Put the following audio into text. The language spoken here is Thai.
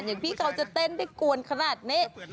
อย่างพี่เขาจะเต้นได้กวนขนาดนี้